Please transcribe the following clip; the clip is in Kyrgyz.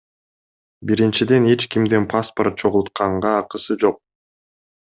Биринчиден, эч кимдин паспорт чогултканга акысы жок.